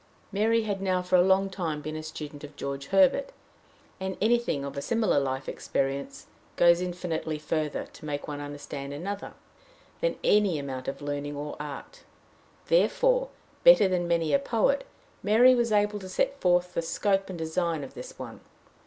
Mary had now for a long time been a student of George Herbert; and anything of a similar life experience goes infinitely further, to make one understand another, than any amount of learning or art. Therefore, better than many a poet, Mary was able to set forth the scope and design of this one.